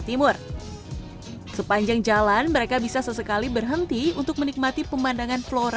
timur sepanjang jalan mereka bisa sesekali berhenti untuk menikmati pemandangan flora